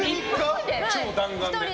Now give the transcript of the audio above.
超弾丸で。